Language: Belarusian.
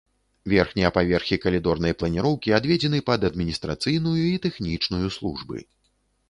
Верхнія паверхі калідорнай планіроўкі, адведзены пад адміністрацыйную і тэхнічную службы.